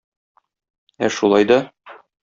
Ә шулай да...